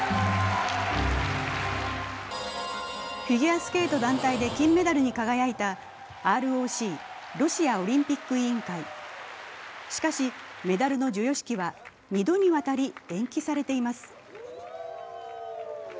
フィギュアスケート団体で金メダルに輝いたＲＯＣ＝ロシアオリンピック委員会しかし、メダルの授与式は２度にわたり延期されています。